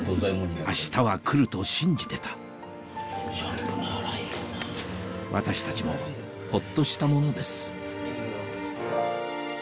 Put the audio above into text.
明日は来ると信じてた私たちもホッとしたものです